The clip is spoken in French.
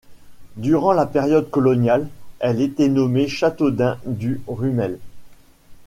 Durant la période coloniale, elle était nommée Châteaudun-du-Rhumel.